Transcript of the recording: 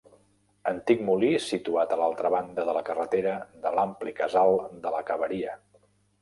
Antic molí situat a l'altra banda de la carretera de l'ampli casal de la Cavaria.